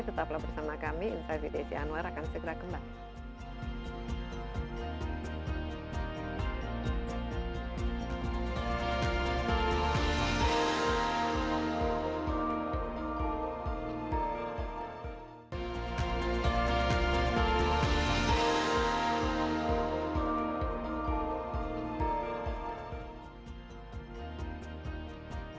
tetaplah bersama kami insight with ecihanwar akan segera kembali